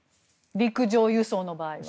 陸上輸送の場合は。